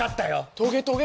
トゲトゲ？